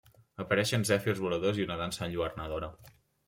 Apareixen zèfirs voladors un una dansa enlluernadora.